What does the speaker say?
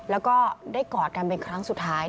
แล้วก็ได้กอดกันเป็นครั้งสุดท้าย